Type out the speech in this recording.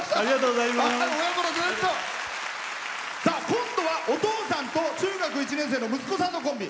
今度はお母さんと中学１年生の息子さんコンビ。